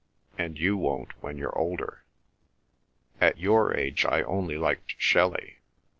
And you won't when you're older. At your age I only liked Shelley.